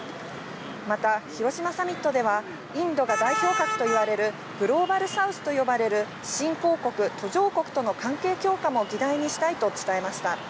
また広島サミットでは、インドが代表格といわれるグローバルサウスと呼ばれる新興国、途上国との関係強化も議題にしたいと伝えました。